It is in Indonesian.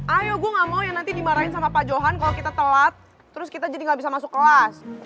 ayo gue gak mau yang nanti dimarahin sama pak johan kalau kita telat terus kita jadi gak bisa masuk kelas